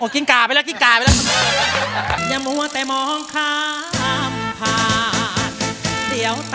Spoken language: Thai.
กินกาไปแล้วกินกาไปแล้ว